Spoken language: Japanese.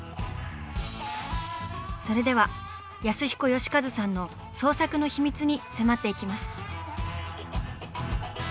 それでは安彦良和さんの創作の秘密に迫っていきます。